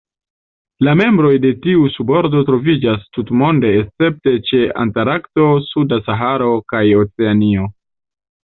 La membroj de tiu subordo troviĝas tutmonde escepte ĉe Antarkto, suda Saharo, kaj Oceanio.